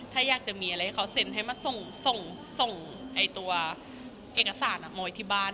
ถ้าอยากจะมีอะไรเขาเซ็นให้มาส่งส่งส่งไอ้ตัวเอกสารอะมอยที่บ้าน